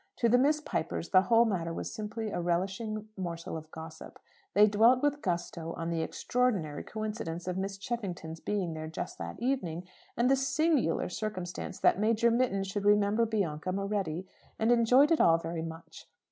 To the Miss Pipers the whole matter was simply a relishing morsel of gossip. They dwelt with gusto on "the extraordinary coincidence" of Miss Cheffington's being there just that very evening, and "the singular circumstance" that Major Mitton should remember Bianca Moretti, and enjoyed it all very much.